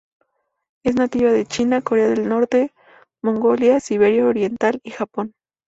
Es nativa de China, Corea del Norte, Mongolia, Siberia Oriental y Japón.